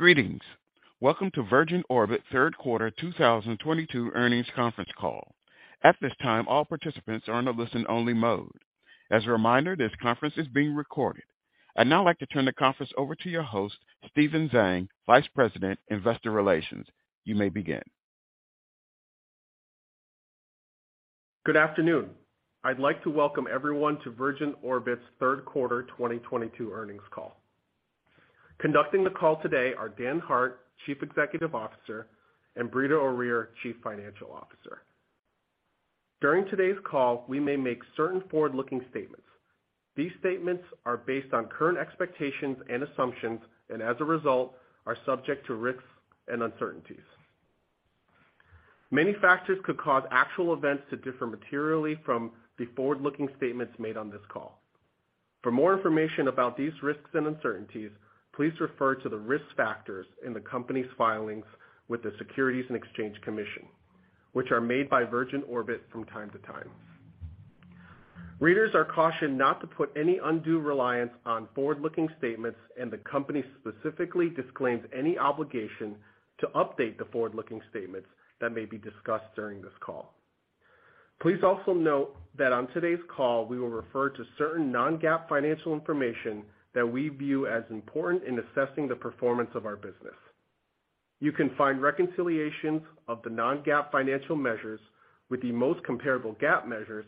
Greetings. Welcome to Virgin Orbit third quarter 2022 earnings conference call. At this time, all participants are in a listen only mode. As a reminder, this conference is being recorded. I'd now like to turn the conference over to your host, Stephen Zhang, Vice President, Investor Relations. You may begin. Good afternoon. I'd like to welcome everyone to Virgin Orbit's third quarter 2022 earnings call. Conducting the call today are Dan Hart, Chief Executive Officer, and Brita O'Rear, Chief Financial Officer. During today's call, we may make certain forward-looking statements. These statements are based on current expectations and assumptions, and as a result, are subject to risks and uncertainties. Many factors could cause actual events to differ materially from the forward-looking statements made on this call. For more information about these risks and uncertainties, please refer to the risk factors in the company's filings with the Securities and Exchange Commission, which are made by Virgin Orbit from time to time. Readers are cautioned not to put any undue reliance on forward-looking statements. The company specifically disclaims any obligation to update the forward-looking statements that may be discussed during this call. Please also note that on today's call, we will refer to certain non-GAAP financial information that we view as important in assessing the performance of our business. You can find reconciliations of the non-GAAP financial measures with the most comparable GAAP measures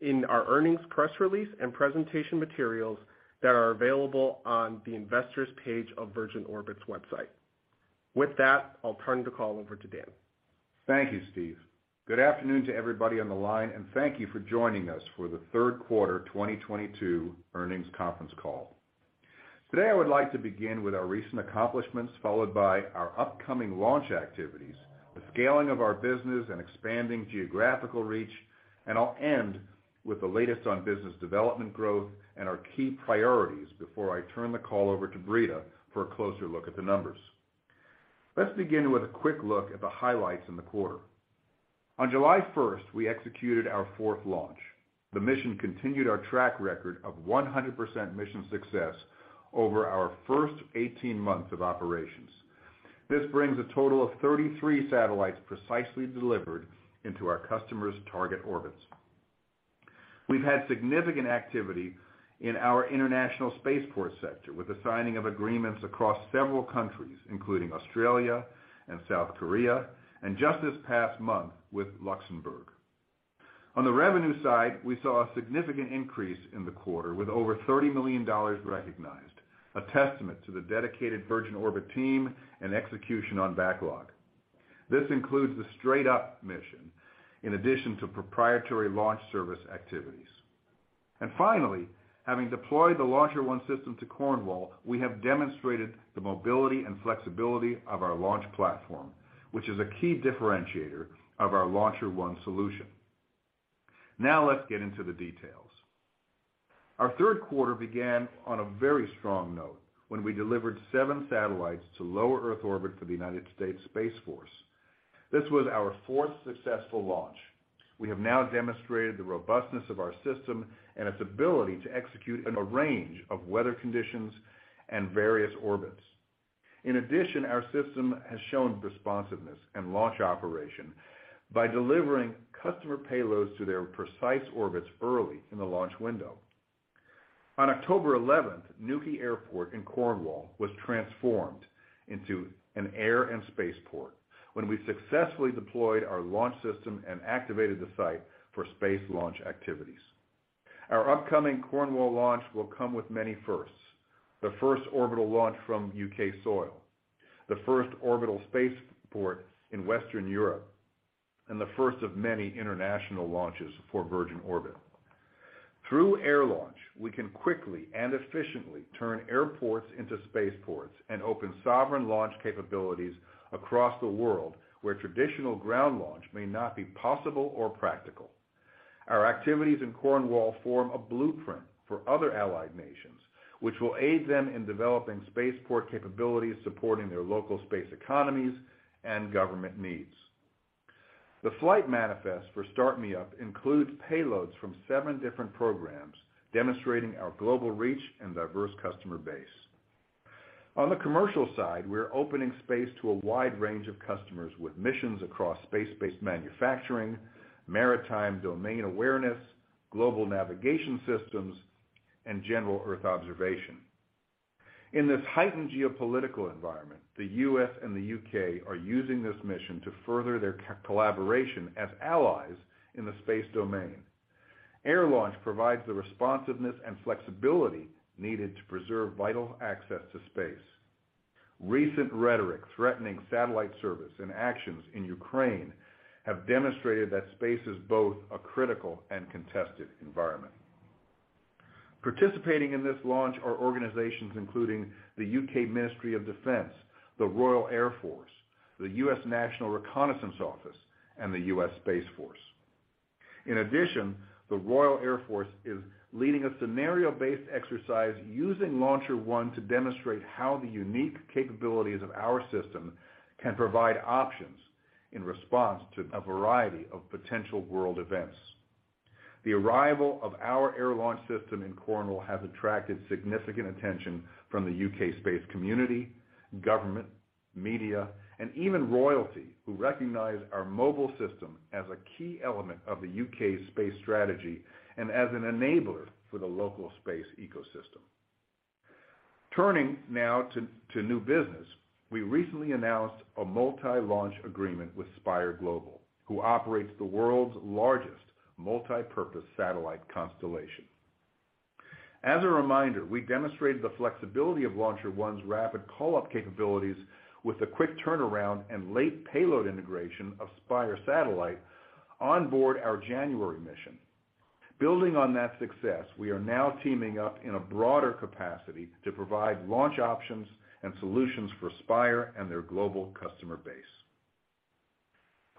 in our earnings press release and presentation materials that are available on the investors page of Virgin Orbit's website. With that, I'll turn the call over to Dan. Thank you, Steve. Good afternoon to everybody on the line, and thank you for joining us for the third quarter 2022 earnings conference call. Today, I would like to begin with our recent accomplishments, followed by our upcoming launch activities, the scaling of our business and expanding geographical reach, and I'll end with the latest on business development growth and our key priorities before I turn the call over to Brita for a closer look at the numbers. Let's begin with a quick look at the highlights in the quarter. On July 1st, we executed our fourth launch. The mission continued our track record of 100% mission success over our first 18 months of operations. This brings a total of 33 satellites precisely delivered into our customers' target orbits. We've had significant activity in our international spaceport sector, with the signing of agreements across several countries, including Australia and South Korea, and just this past month with Luxembourg. On the revenue side, we saw a significant increase in the quarter with over $30 million recognized, a testament to the dedicated Virgin Orbit team and execution on backlog. This includes the Straight Up mission in addition to proprietary launch service activities. Finally, having deployed the LauncherOne system to Cornwall, we have demonstrated the mobility and flexibility of our launch platform, which is a key differentiator of our LauncherOne solution. Now let's get into the details. Our third quarter began on a very strong note when we delivered seven satellites to low Earth orbit for the United States Space Force. This was our fourth successful launch. We have now demonstrated the robustness of our system and its ability to execute in a range of weather conditions and various orbits. In addition, our system has shown responsiveness in launch operation by delivering customer payloads to their precise orbits early in the launch window. On October 11th, Newquay Airport in Cornwall was transformed into an air and space port when we successfully deployed our launch system and activated the site for space launch activities. Our upcoming Cornwall launch will come with many firsts, the first orbital launch from U.K. soil, the first orbital space port in Western Europe, and the first of many international launches for Virgin Orbit. Through air launch, we can quickly and efficiently turn airports into space ports and open sovereign launch capabilities across the world, where traditional ground launch may not be possible or practical. Our activities in Cornwall form a blueprint for other allied nations, which will aid them in developing space port capabilities, supporting their local space economies and government needs. The flight manifest for Start Me Up includes payloads from seven different programs, demonstrating our global reach and diverse customer base. On the commercial side, we're opening space to a wide range of customers with missions across space-based manufacturing, maritime domain awareness, global navigation systems, and general Earth observation. In this heightened geopolitical environment, the U.S. and the U.K. are using this mission to further their collaboration as allies in the space domain. Air launch provides the responsiveness and flexibility needed to preserve vital access to space. Recent rhetoric threatening satellite service and actions in Ukraine have demonstrated that space is both a critical and contested environment. Participating in this launch are organizations including the U.K. Ministry of Defence, the Royal Air Force, the U.S. National Reconnaissance Office, and the U.S. Space Force. In addition, the Royal Air Force is leading a scenario-based exercise using LauncherOne to demonstrate how the unique capabilities of our system can provide options in response to a variety of potential world events. The arrival of our air launch system in Cornwall has attracted significant attention from the U.K. space community, government, media, and even royalty, who recognize our mobile system as a key element of the U.K.'s space strategy and as an enabler for the local space ecosystem. Turning now to new business. We recently announced a multi-launch agreement with Spire Global, who operates the world's largest multi-purpose satellite constellation. As a reminder, we demonstrated the flexibility of LauncherOne's rapid call-up capabilities with the quick turnaround and late payload integration of Spire satellite onboard our January mission. Building on that success, we are now teaming up in a broader capacity to provide launch options and solutions for Spire and their global customer base.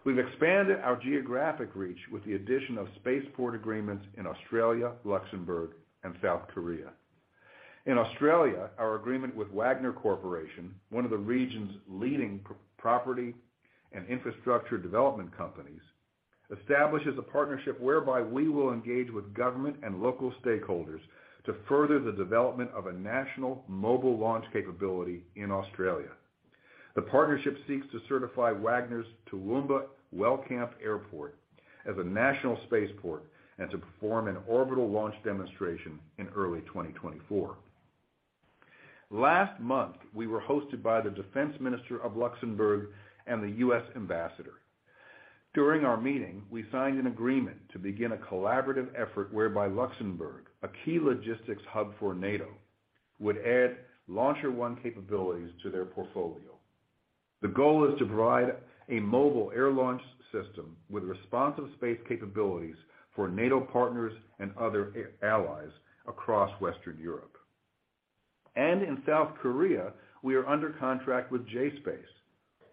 We've expanded our geographic reach with the addition of spaceport agreements in Australia, Luxembourg, and South Korea. In Australia, our agreement with Wagner Corporation, one of the region's leading property and infrastructure development companies, establishes a partnership whereby we will engage with government and local stakeholders to further the development of a national mobile launch capability in Australia. The partnership seeks to certify Wagner's Toowoomba Wellcamp Airport as a national spaceport and to perform an orbital launch demonstration in early 2024. Last month, we were hosted by the Defense Minister of Luxembourg and the U.S. Ambassador. During our meeting, we signed an agreement to begin a collaborative effort whereby Luxembourg, a key logistics hub for NATO, would add LauncherOne capabilities to their portfolio. The goal is to provide a mobile air launch system with responsive space capabilities for NATO partners and other allies across Western Europe. In South Korea, we are under contract with J-Space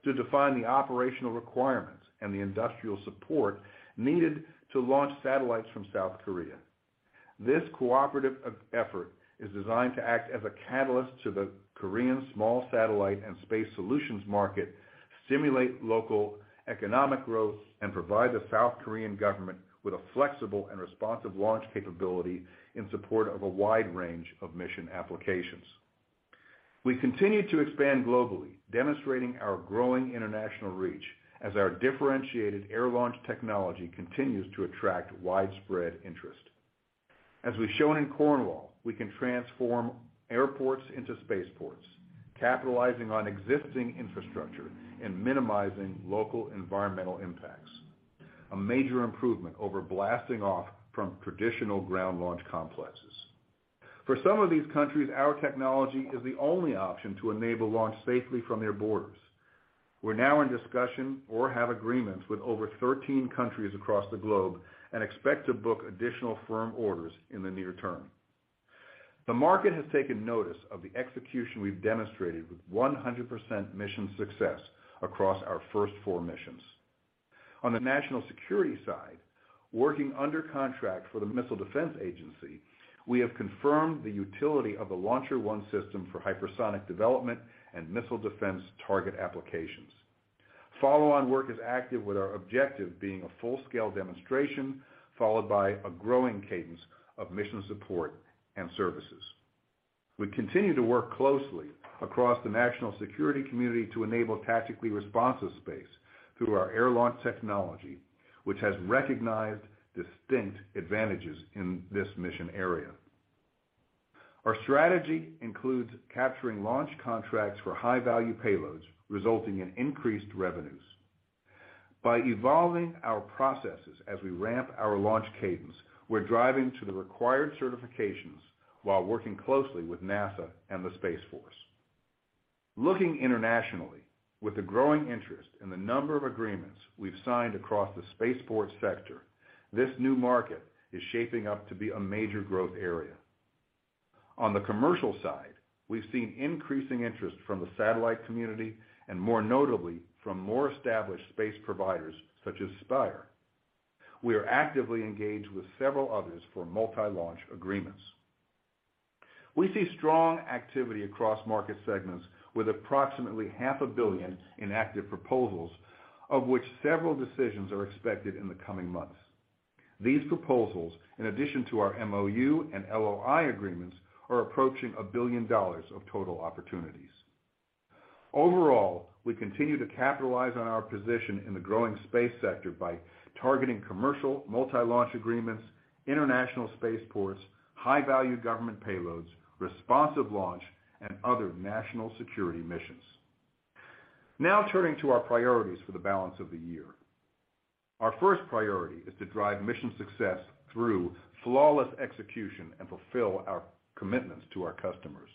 to define the operational requirements and the industrial support needed to launch satellites from South Korea. This cooperative effort is designed to act as a catalyst to the Korean small satellite and space solutions market, stimulate local economic growth, and provide the South Korean government with a flexible and responsive launch capability in support of a wide range of mission applications. We continue to expand globally, demonstrating our growing international reach as our differentiated air launch technology continues to attract widespread interest. As we've shown in Cornwall, we can transform airports into spaceports, capitalizing on existing infrastructure and minimizing local environmental impacts, a major improvement over blasting off from traditional ground launch complexes. For some of these countries, our technology is the only option to enable launch safely from their borders. We're now in discussion or have agreements with over 13 countries across the globe and expect to book additional firm orders in the near term. The market has taken notice of the execution we've demonstrated with 100% mission success across our first four missions. On the national security side, working under contract for the Missile Defense Agency, we have confirmed the utility of the LauncherOne system for hypersonic development and missile defense target applications. Follow-on work is active, with our objective being a full-scale demonstration followed by a growing cadence of mission support and services. We continue to work closely across the national security community to enable Tactically Responsive Space through our air launch technology, which has recognized distinct advantages in this mission area. Our strategy includes capturing launch contracts for high-value payloads, resulting in increased revenues. By evolving our processes as we ramp our launch cadence, we're driving to the required certifications while working closely with NASA and the Space Force. Looking internationally, with the growing interest in the number of agreements we've signed across the spaceport sector, this new market is shaping up to be a major growth area. On the commercial side, we've seen increasing interest from the satellite community and more notably, from more established space providers such as Spire. We are actively engaged with several others for multi-launch agreements. We see strong activity across market segments with approximately half a billion in active proposals, of which several decisions are expected in the coming months. These proposals, in addition to our MOU and LOI agreements, are approaching $1 billion of total opportunities. Overall, we continue to capitalize on our position in the growing space sector by targeting commercial multi-launch agreements, international spaceports, high-value government payloads, responsive launch, and other national security missions. Turning to our priorities for the balance of the year. Our first priority is to drive mission success through flawless execution and fulfill our commitments to our customers.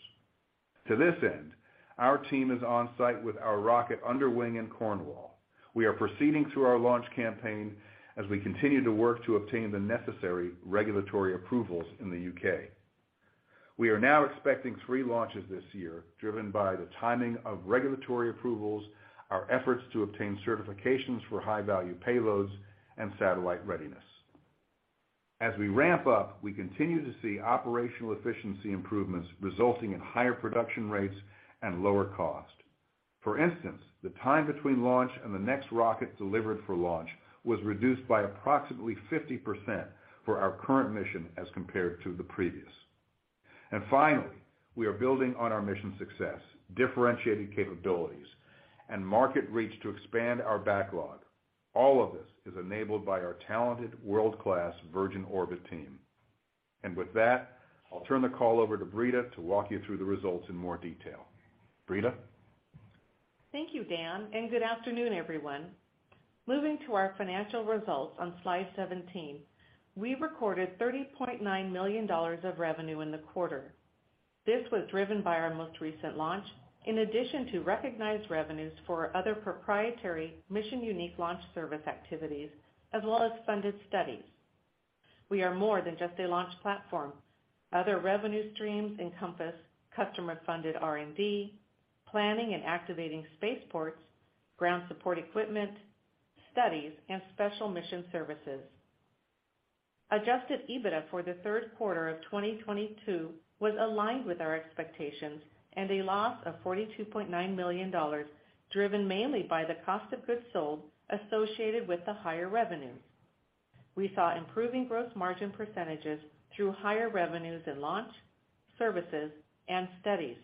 To this end, our team is on-site with our rocket under wing in Cornwall. We are proceeding through our launch campaign as we continue to work to obtain the necessary regulatory approvals in the U.K. We are now expecting three launches this year, driven by the timing of regulatory approvals, our efforts to obtain certifications for high-value payloads, and satellite readiness. As we ramp up, we continue to see operational efficiency improvements resulting in higher production rates and lower cost. For instance, the time between launch and the next rocket delivered for launch was reduced by approximately 50% for our current mission as compared to the previous. Finally, we are building on our mission success, differentiating capabilities and market reach to expand our backlog. All of this is enabled by our talented world-class Virgin Orbit team. With that, I'll turn the call over to Brita to walk you through the results in more detail. Brita? Thank you, Dan, and good afternoon, everyone. Moving to our financial results on slide 17, we recorded $30.9 million of revenue in the quarter. This was driven by our most recent launch, in addition to recognized revenues for other proprietary mission-unique launch service activities, as well as funded studies. We are more than just a launch platform. Other revenue streams encompass customer-funded R&D, planning and activating spaceports, ground support equipment, studies, and special mission services. Adjusted EBITDA for the third quarter of 2022 was aligned with our expectations and a loss of $42.9 million, driven mainly by the cost of goods sold associated with the higher revenues. We saw improving gross margin % through higher revenues in launch, services, and studies.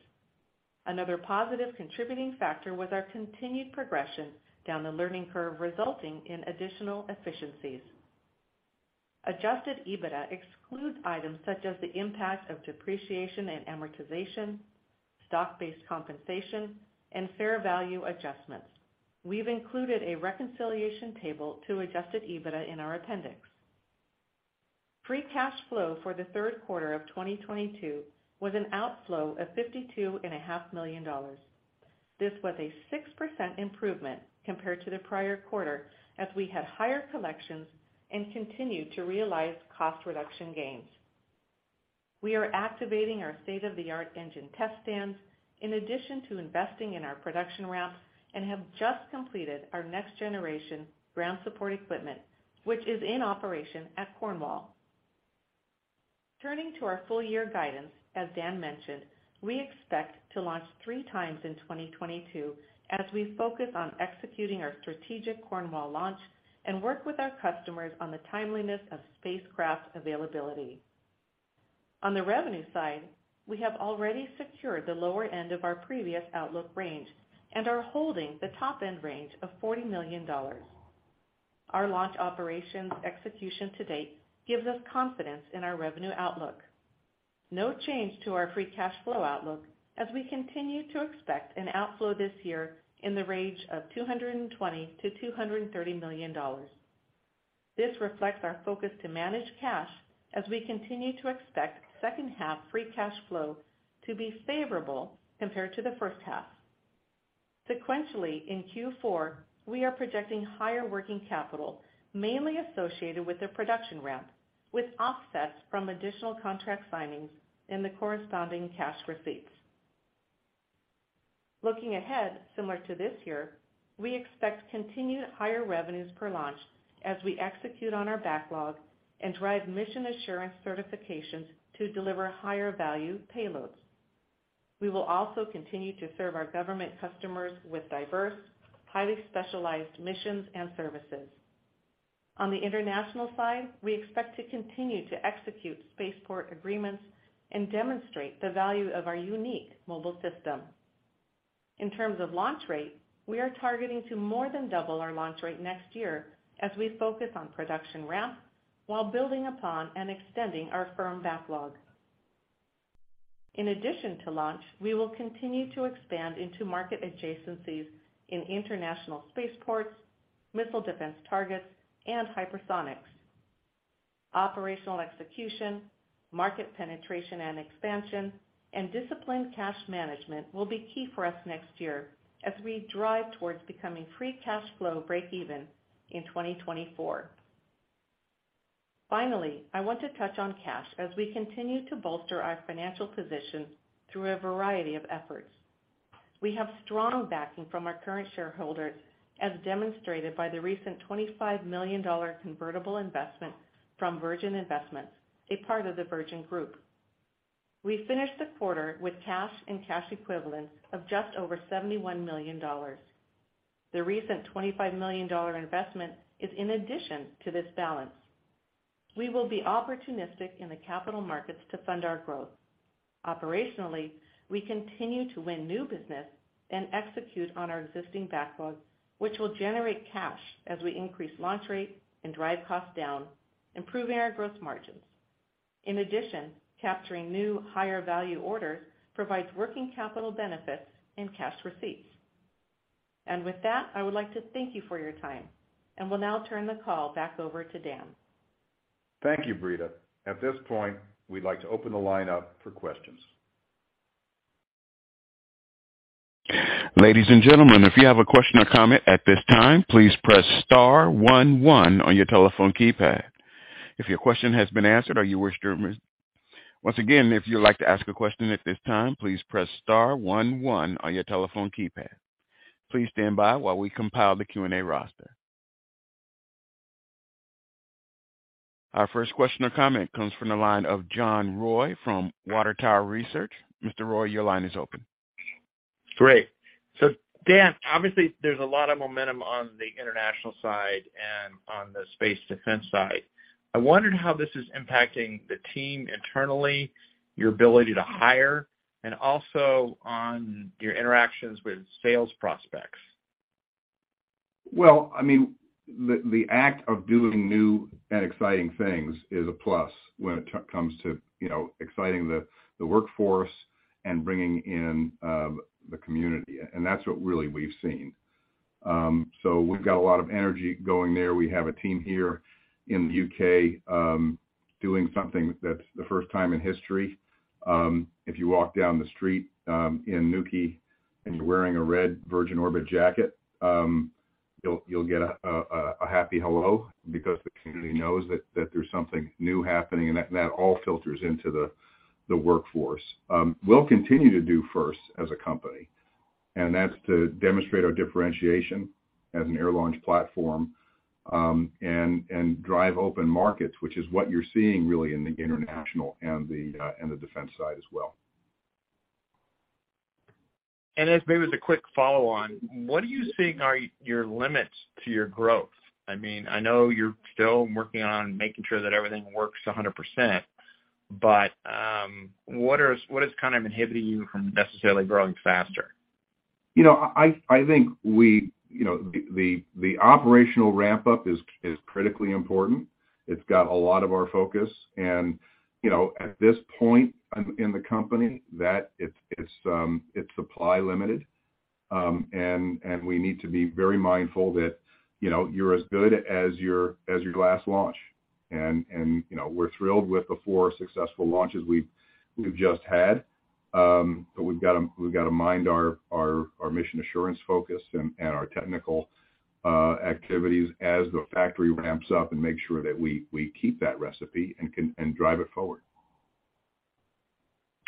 Another positive contributing factor was our continued progression down the learning curve, resulting in additional efficiencies. Adjusted EBITDA excludes items such as the impact of depreciation and amortization, stock-based compensation, and fair value adjustments. We've included a reconciliation table to Adjusted EBITDA in our appendix. Free cash flow for the third quarter of 2022 was an outflow of $52.5 million. This was a 6% improvement compared to the prior quarter as we had higher collections and continued to realize cost reduction gains. We are activating our state-of-the-art engine test stands, in addition to investing in our production ramp and have just completed our next generation ground support equipment, which is in operation at Cornwall. Turning to our full year guidance, as Dan mentioned, we expect to launch three times in 2022 as we focus on executing our strategic Cornwall launch and work with our customers on the timeliness of spacecraft availability. On the revenue side, we have already secured the lower end of our previous outlook range and are holding the top end range of $40 million. Our launch operations execution to date gives us confidence in our revenue outlook. No change to our free cash flow outlook as we continue to expect an outflow this year in the range of $220 million-$230 million. This reflects our focus to manage cash as we continue to expect second half free cash flow to be favorable compared to the first half. Sequentially, in Q4, we are projecting higher working capital mainly associated with the production ramp, with offsets from additional contract signings in the corresponding cash receipts. Looking ahead, similar to this year, we expect continued higher revenues per launch as we execute on our backlog and drive mission assurance certifications to deliver higher value payloads. We will also continue to serve our government customers with diverse, highly specialized missions and services. On the international side, we expect to continue to execute space port agreements and demonstrate the value of our unique mobile system. In terms of launch rate, we are targeting to more than double our launch rate next year as we focus on production ramp while building upon and extending our firm backlog. In addition to launch, we will continue to expand into market adjacencies in international space ports, missile defense targets, and hypersonics. Operational execution, market penetration and expansion, and disciplined cash management will be key for us next year as we drive towards becoming free cash flow breakeven in 2024. I want to touch on cash as we continue to bolster our financial position through a variety of efforts. We have strong backing from our current shareholders, as demonstrated by the recent $25 million convertible investment from Virgin Investments, a part of the Virgin Group. We finished the quarter with cash and cash equivalents of just over $71 million. The recent $25 million investment is in addition to this balance. We will be opportunistic in the capital markets to fund our growth. Operationally, we continue to win new business and execute on our existing backlog, which will generate cash as we increase launch rate and drive costs down, improving our gross margins. In addition, capturing new higher value orders provides working capital benefits and cash receipts. With that, I would like to thank you for your time, and will now turn the call back over to Dan. Thank you, Brita. At this point, we'd like to open the line up for questions. Ladies and gentlemen, if you have a question or comment at this time, please press star 11 on your telephone keypad. Once again, if you'd like to ask a question at this time, please press star 11 on your telephone keypad. Please stand by while we compile the Q&A roster. Our first question or comment comes from the line of John Roy from Water Tower Research. Mr. Roy, your line is open. Great. Dan, obviously there's a lot of momentum on the international side and on the space defense side. I wondered how this is impacting the team internally, your ability to hire, and also on your interactions with sales prospects. The act of doing new and exciting things is a plus when it comes to exciting the workforce and bringing in the community. That's what really we've seen. We've got a lot of energy going there. We have a team here in the U.K. doing something that's the first time in history. If you walk down the street in Newquay and you're wearing a red Virgin Orbit jacket, you'll get a happy hello because the community knows that there's something new happening, and that all filters into the workforce. We'll continue to do first as a company, and that's to demonstrate our differentiation as an air launch platform, and drive open markets, which is what you're seeing really in the international and the defense side as well. As maybe as a quick follow on, what are you seeing are your limits to your growth? I know you're still working on making sure that everything works 100%, but what is kind of inhibiting you from necessarily growing faster? I think the operational ramp-up is critically important. It's got a lot of our focus and, at this point in the company, it's supply limited. We need to be very mindful that you're as good as your last launch. We're thrilled with the four successful launches we've just had. We've got to mind our mission assurance focus and our technical activities as the factory ramps up and make sure that we keep that recipe and drive it forward.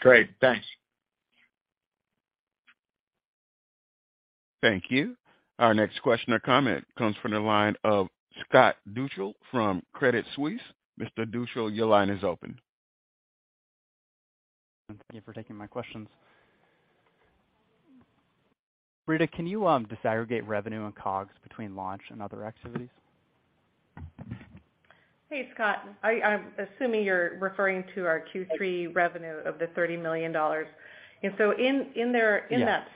Great. Thanks. Thank you. Our next question or comment comes from the line of Scott Deuschle from Credit Suisse. Mr. Deuschle, your line is open. Thank you for taking my questions. Brita, can you disaggregate revenue and COGS between launch and other activities? Hey, Scott. I'm assuming you're referring to our Q3 revenue of the $30 million. In that Yes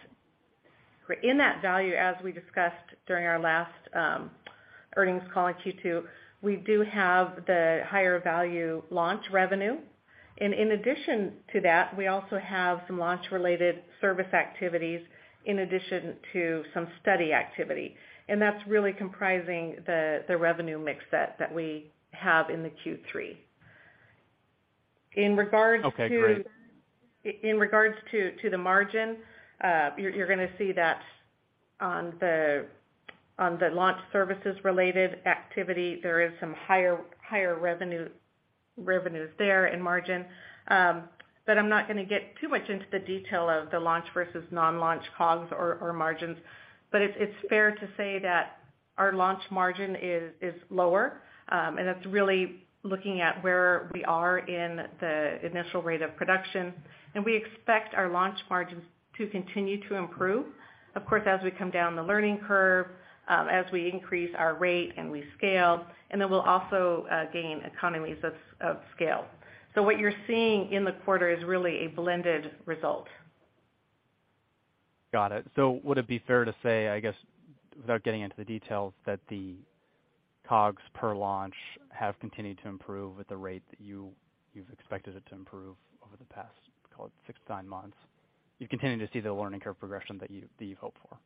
In that value, as we discussed during our last earnings call in Q2, we do have the higher value launch revenue. In addition to that, we also have some launch-related service activities in addition to some study activity. That's really comprising the revenue mix set that we have in the Q3. In regards to Okay, great In regards to the margin, you're going to see that on the launch services-related activity, there is some higher revenues there and margin. I'm not going to get too much into the detail of the launch versus non-launch COGS or margins. It's fair to say that our launch margin is lower. That's really looking at where we are in the initial rate of production. We expect our launch margins to continue to improve, of course, as we come down the learning curve, as we increase our rate and we scale, then we'll also gain economies of scale. What you're seeing in the quarter is really a blended result. Got it. Would it be fair to say, I guess, without getting into the details, that the COGS per launch have continued to improve at the rate that you've expected it to improve over the past, call it six, nine months? You've continued to see the learning curve progression that you've hoped for.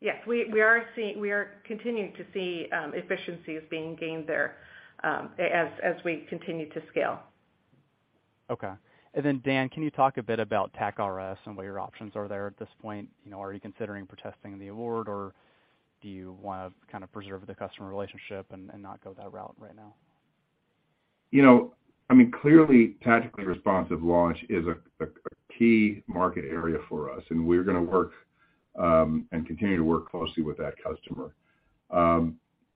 Yes. We are continuing to see efficiencies being gained there as we continue to scale. Okay. Dan, can you talk a bit about TacRS and what your options are there at this point? Are you considering protesting the award, or do you want to kind of preserve the customer relationship and not go that route right now? Clearly, tactically responsive launch is a key market area for us, and we're going to work, and continue to work closely with that customer.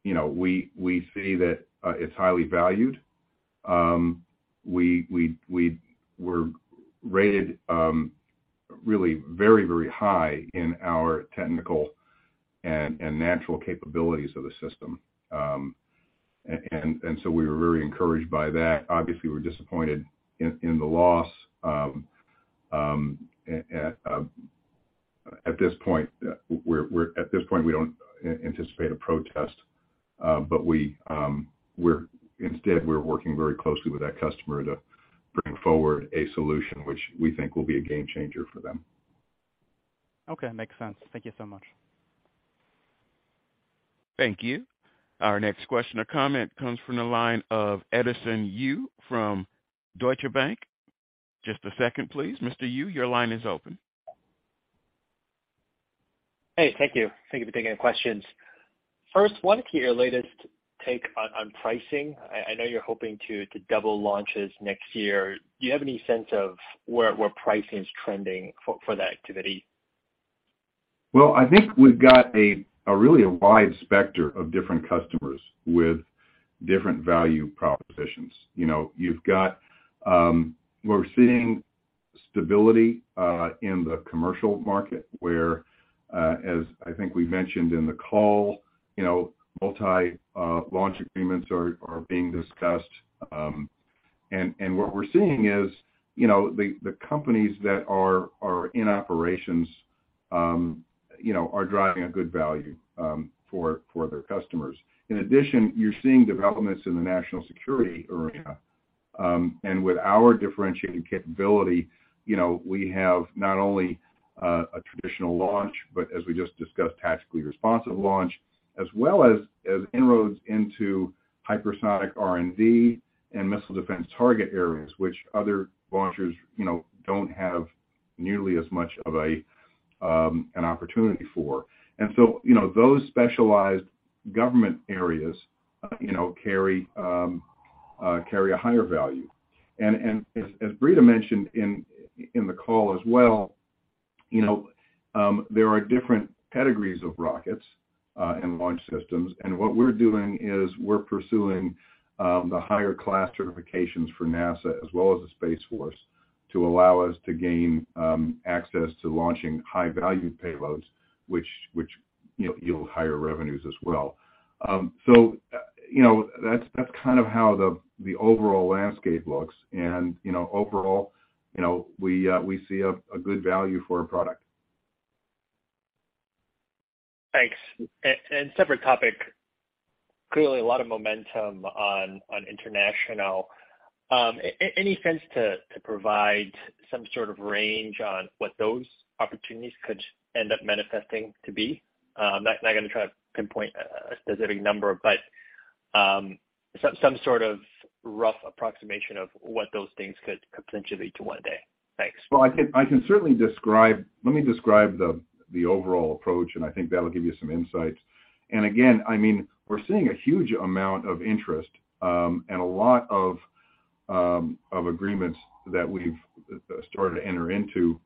We see that it's highly valued. We were rated really very high in our technical and natural capabilities of the system. So we were very encouraged by that. Obviously, we're disappointed in the loss. At this point, we don't anticipate a protest. Instead, we're working very closely with that customer to bring forward a solution which we think will be a game changer for them. Okay. Makes sense. Thank you so much. Thank you. Our next question or comment comes from the line of Edison Yu from Deutsche Bank. Just a second, please. Mr. Yu, your line is open. Hey, thank you. Thank you for taking the questions. First, what is your latest take on pricing? I know you're hoping to double launches next year. Do you have any sense of where pricing is trending for that activity? Well, I think we've got really a wide spectrum of different customers with different value propositions. We're seeing stability in the commercial market where, as I think we mentioned in the call, multi-launch agreements are being discussed. What we're seeing is the companies that are in operations are driving a good value for their customers. In addition, you're seeing developments in the national security arena. With our differentiating capability, we have not only a traditional launch, but as we just discussed, tactically responsive launch, as well as inroads into hypersonic R&D and missile defense target areas, which other launchers don't have nearly as much of an opportunity for. Those specialized government areas carry a higher value. As Brita mentioned in the call as well, there are different pedigrees of rockets and launch systems. What we're doing is we're pursuing the higher class certifications for NASA as well as the Space Force to allow us to gain access to launching high-value payloads, which yield higher revenues as well. That's kind of how the overall landscape looks. Overall, we see a good value for our product. Thanks. Separate topic, clearly a lot of momentum on international. Any sense to provide some sort of range on what those opportunities could end up manifesting to be? Not going to try to pinpoint a specific number, but some sort of rough approximation of what those things could potentially be to one day. Thanks. Well, let me describe the overall approach, and I think that'll give you some insights. Again, we're seeing a huge amount of interest and a lot of agreements that we've started to enter into.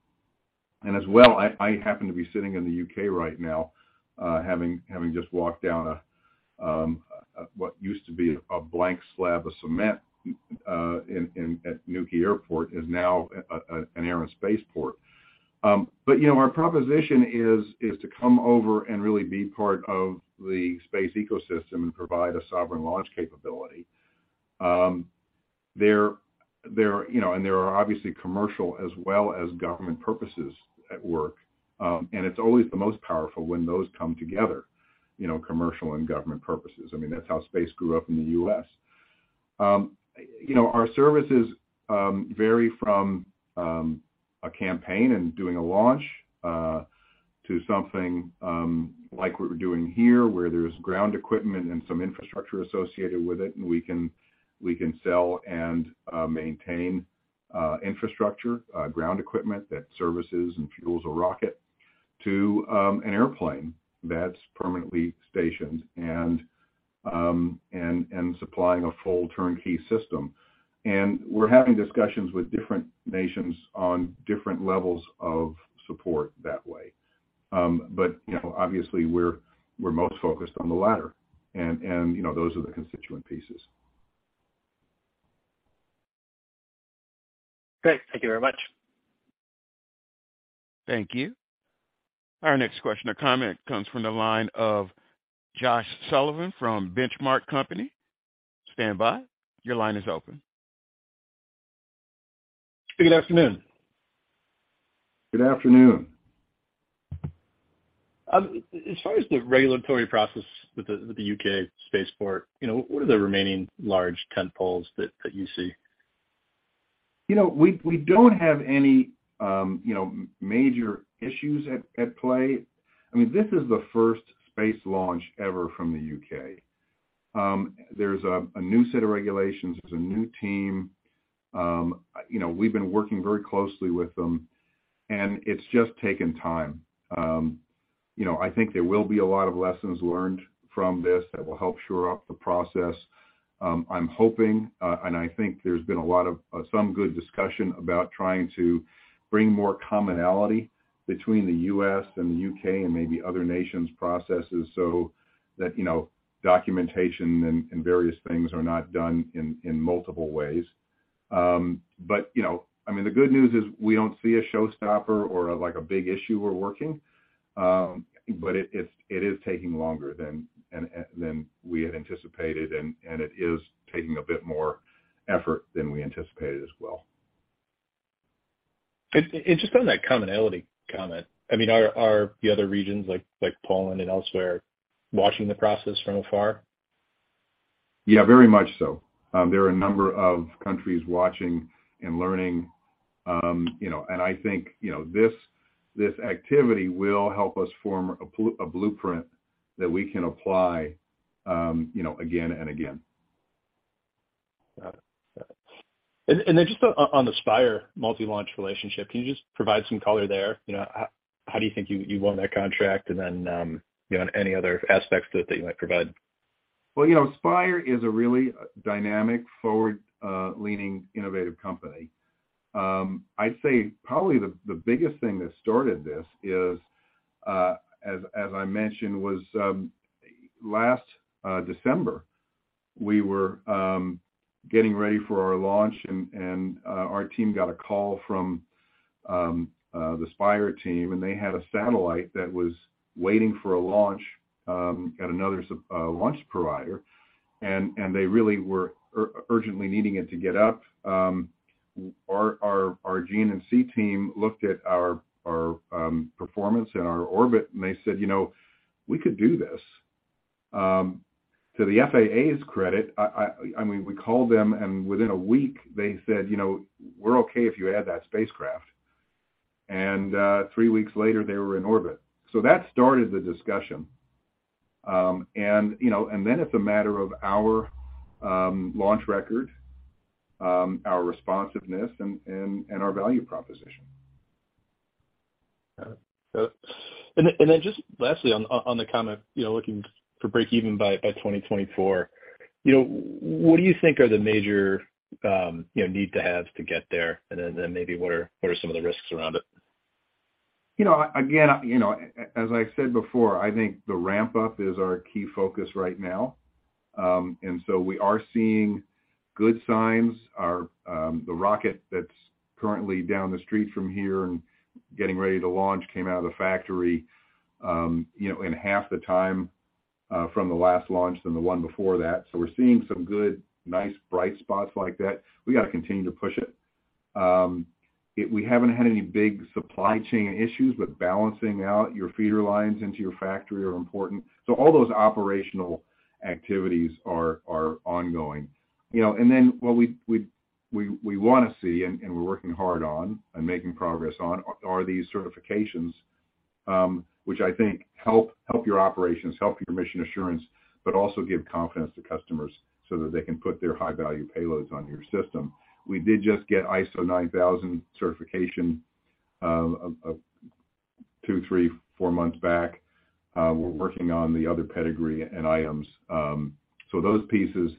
As well, I happen to be sitting in the U.K. right now, having just walked down what used to be a blank slab of cement at Newquay Airport is now an aerospace port. Our proposition is to come over and really be part of the space ecosystem and provide a sovereign launch capability. There are obviously commercial as well as government purposes at work. It's always the most powerful when those come together, commercial and government purposes. That's how space grew up in the U.S. Our services vary from a campaign and doing a launch to something like what we're doing here, where there's ground equipment and some infrastructure associated with it, and we can sell and maintain infrastructure, ground equipment that services and fuels a rocket, to an airplane that's permanently stationed and supplying a full turnkey system. We're having discussions with different nations on different levels of support that way. Obviously we're most focused on the latter, and those are the constituent pieces. Great. Thank you very much. Thank you. Our next question or comment comes from the line of Josh Sullivan from The Benchmark Company. Standby. Your line is open. Good afternoon. Good afternoon. As far as the regulatory process with the U.K. space port, what are the remaining large tent poles that you see? We don't have any major issues at play. This is the first space launch ever from the U.K. There's a new set of regulations. There's a new team. We've been working very closely with them, it's just taken time. I think there will be a lot of lessons learned from this that will help shore up the process. I'm hoping, and I think there's been some good discussion about trying to bring more commonality between the U.S. and the U.K. and maybe other nations' processes so that documentation and various things are not done in multiple ways. The good news is we don't see a showstopper or a big issue we're working. It is taking longer than we had anticipated, and it is taking a bit more effort than we anticipated as well. Just on that commonality comment, are the other regions like Poland and elsewhere watching the process from afar? Yeah, very much so. There are a number of countries watching and learning. I think this activity will help us form a blueprint that we can apply again and again. Got it. Just on the Spire multi-launch relationship, can you just provide some color there? How do you think you won that contract? Any other aspects to it that you might provide? Well, Spire is a really dynamic, forward-leaning, innovative company. I'd say probably the biggest thing that started this is, as I mentioned, was last December, we were getting ready for our launch, and our team got a call from the Spire team, and they had a satellite that was waiting for a launch at another launch provider, and they really were urgently needing it to get up. Our GN&C team looked at our performance and our orbit, and they said, "We could do this." To the FAA's credit, we called them, and within a week, they said, "We're okay if you add that spacecraft." Three weeks later, they were in orbit. That started the discussion. It's a matter of our launch record, our responsiveness, and our value proposition. Got it. Just lastly on the comment, looking for breakeven by 2024. What do you think are the major need to haves to get there? Maybe what are some of the risks around it? Again, as I said before, I think the ramp-up is our key focus right now. We are seeing good signs. The rocket that's currently down the street from here and getting ready to launch came out of the factory in half the time from the last launch than the one before that. We're seeing some good, nice bright spots like that. We got to continue to push it. We haven't had any big supply chain issues, but balancing out your feeder lines into your factory are important. All those operational activities are ongoing. What we want to see, and we're working hard on and making progress on, are these certifications which I think help your operations, help your mission assurance, but also give confidence to customers so that they can put their high-value payloads on your system. We did just get ISO 9001 certification two, three, four months back. We're working on the other pedigree and items. Those pieces,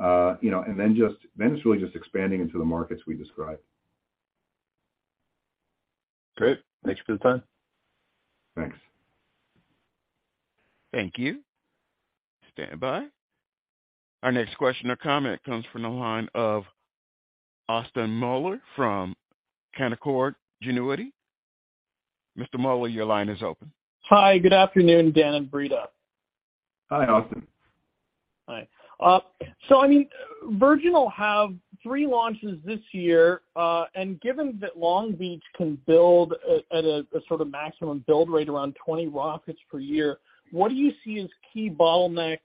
it's really just expanding into the markets we described. Great. Thanks for the time. Thanks. Thank you. Standby. Our next question or comment comes from the line of Austin Moeller from Canaccord Genuity. Mr. Moeller, your line is open. Hi, good afternoon, Dan and Brita. Hi, Austin. Hi. Virgin will have three launches this year. Given that Long Beach can build at a sort of maximum build rate around 20 rockets per year, what do you see as key bottlenecks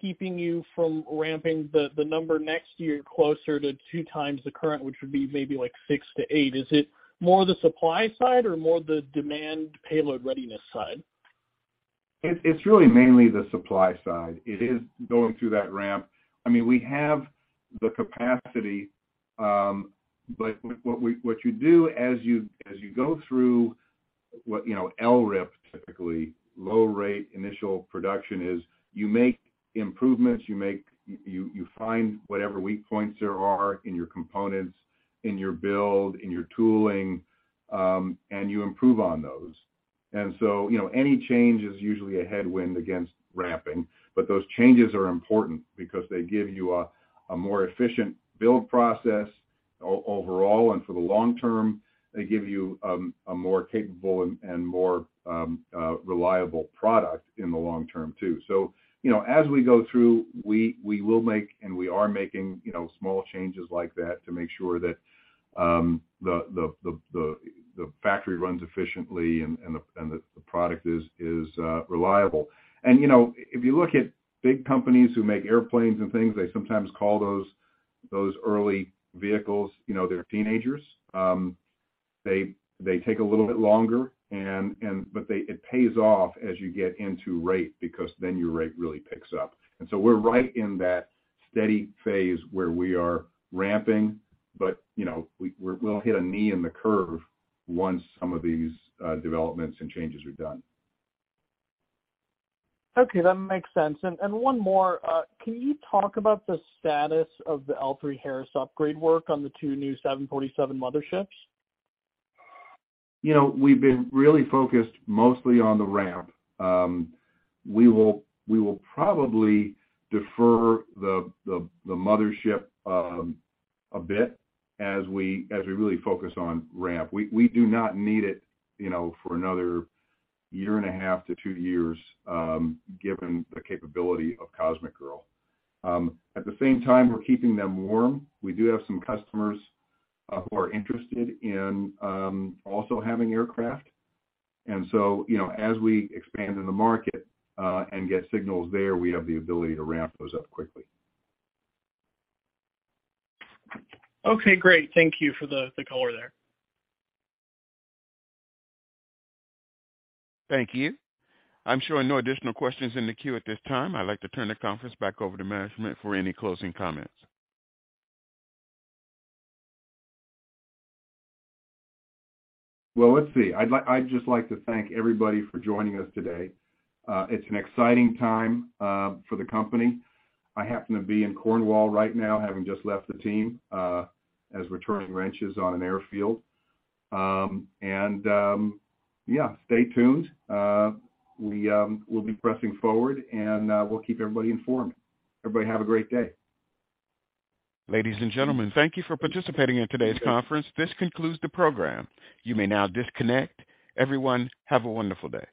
keeping you from ramping the number next year closer to two times the current, which would be maybe six to eight? Is it more the supply side or more the demand payload readiness side? It's really mainly the supply side. It is going through that ramp. We have the capacity, what you do as you go through LRIP, low-rate initial production is you make improvements. You find whatever weak points there are in your components, in your build, in your tooling, you improve on those. Any change is usually a headwind against ramping, those changes are important because they give you a more efficient build process overall. For the long term, they give you a more capable and more reliable product in the long term, too. As we go through, we will make, and we are making small changes like that to make sure that the factory runs efficiently and that the product is reliable. If you look at big companies who make airplanes and things, they sometimes call those early vehicles their teenagers. They take a little bit longer, it pays off as you get into rate because then your rate really picks up. We're right in that steady phase where we are ramping, we'll hit a knee in the curve once some of these developments and changes are done. Okay, that makes sense. One more. Can you talk about the status of the L3Harris upgrade work on the two new 747 motherships? We've been really focused mostly on the ramp. We will probably defer the mothership a bit as we really focus on ramp. We do not need it for another year and a half to two years, given the capability of Cosmic Girl. At the same time, we're keeping them warm. We do have some customers who are interested in also having aircraft. So, as we expand in the market and get signals there, we have the ability to ramp those up quickly. Okay, great. Thank you for the color there. Thank you. I'm showing no additional questions in the queue at this time. I'd like to turn the conference back over to management for any closing comments. Well, let's see. I'd just like to thank everybody for joining us today. It's an exciting time for the company. I happen to be in Cornwall right now, having just left the team, as we're turning wrenches on an airfield. Yeah, stay tuned. We'll be pressing forward and we'll keep everybody informed. Everybody have a great day. Ladies and gentlemen, thank you for participating in today's conference. This concludes the program. You may now disconnect. Everyone, have a wonderful day.